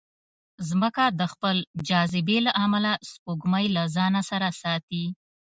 مځکه د خپل جاذبې له امله سپوږمۍ له ځانه سره ساتي.